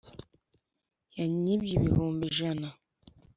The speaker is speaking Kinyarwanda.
Yanyibye ibihumbi ijana